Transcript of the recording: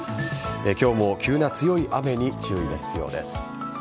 今日も急な強い雨に注意が必要です。